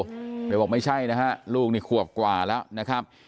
เธอบอกไม่ใช่นะฮะลูกนี่ขวบกว่าแล้วนะครับ